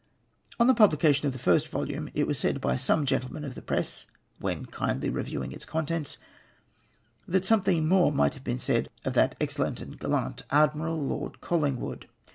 On the publication of tlie first volume, it was said by some gentlemen of the press, when Idndly reviewing its contents, tliat somethino more mio'lit have been said of that excellent and gallant admiral, Lord CoUing Avood.